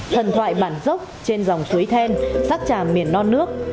thần thoại bản dốc trên dòng suối then sắc trà miền non nước